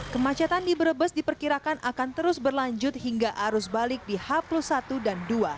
kemacetan di brebes diperkirakan akan terus berlanjut hingga arus balik di h plus satu dan dua